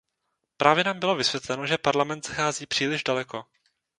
Právě nám bylo vysvětleno, že Parlament zachází příliš daleko.